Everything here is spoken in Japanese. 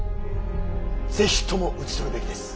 是非とも討ち取るべきです。